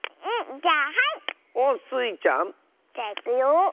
じゃいくよ。